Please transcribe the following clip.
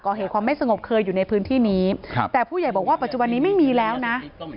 เหตุความไม่สงบเคยอยู่ในพื้นที่นี้แต่ผู้ใหญ่บอกว่าปัจจุบันนี้ไม่มีแล้วนะ